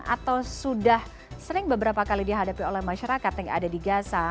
atau sudah sering beberapa kali dihadapi oleh masyarakat yang ada di gaza